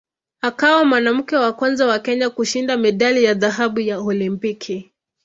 Akawa mwanamke wa kwanza wa Kenya kushinda medali ya dhahabu ya Olimpiki.